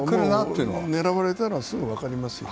狙われたら、すぐ分かりますよ。